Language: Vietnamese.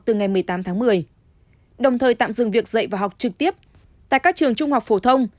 từ ngày một mươi tám tháng một mươi đồng thời tạm dừng việc dạy và học trực tiếp tại các trường trung học phổ thông